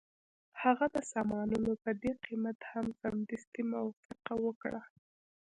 هغه د سامانونو په دې قیمت هم سمدستي موافقه وکړه